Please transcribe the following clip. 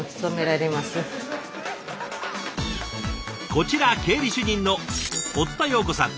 こちら経理主任の堀田葉子さん。